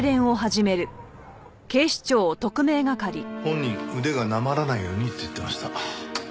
本人「腕がなまらないように」って言ってました。